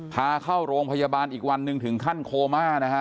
พาเข้าโรงพยาบาลอีกวันหนึ่งถึงขั้นโคม่านะฮะ